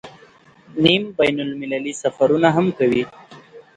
نیم بین المللي سفرونه هم کوي.